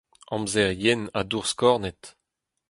Amzer yen ha dour skornet.